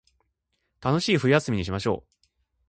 楽しい冬休みにしましょう